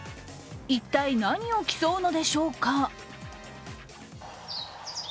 一体、何を競うのでしょうか。